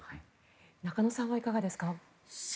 中野さんはいかがですか？